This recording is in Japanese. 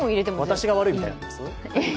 私が悪いみたいになってます？